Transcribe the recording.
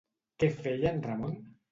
Què feia en Ramon?